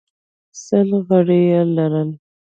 سل غړي یې لرل